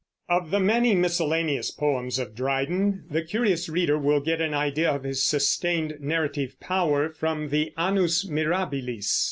Of the many miscellaneous poems of Dryden, the curious reader will get an idea of his sustained narrative power from the Annus Mirabilis.